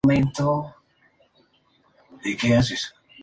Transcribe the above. Febrero y abril son los meses menos lluviosos.